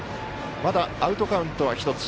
まだ、アウトカウントは１つ。